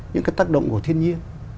những cái tác động của thiên nhiên